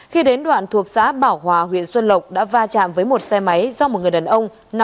khi đến đoạn thuộc xã bảo hòa huyện xuân lộc đã va chạm với một xe máy do một người đàn ông